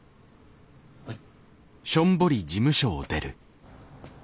はい。